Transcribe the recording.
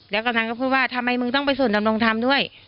แล้วกำนันก็พูดว่าทำไมมึงต้องไปศูนย์ดำรงธรรมด้วย